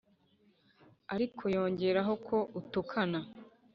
ariko yongeraho ko utukana